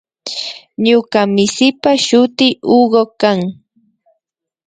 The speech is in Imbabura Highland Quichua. Ñuka misipa shuti Hugo kan